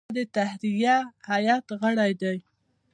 هغه د تحریریه هیئت غړی دی.